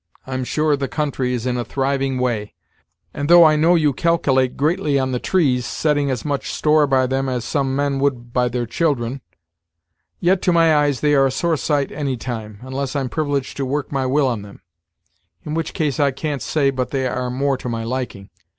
I'm sure the country is in a thriving way; and though I know you calkilate greatly on the trees, setting as much store by them as some men would by their children, yet to my eyes they are a sore sight any time, unless I'm privileged to work my will on them: in which case I can't say but they are more to my liking.